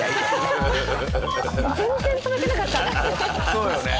そうよね。